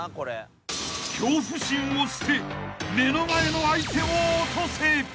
［恐怖心を捨て目の前の相手を落とせ］